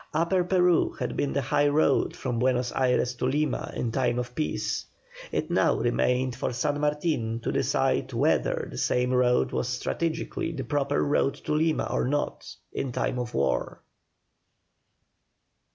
Upper Peru had been the high road from Buenos Ayres to Lima in time of peace; it now remained for San Martin to decide whether the same road was strategically the proper road to Lima or not, in time of war.